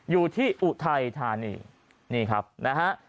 อยู่ที่อุไทยธานีนี่ครับนะฮะ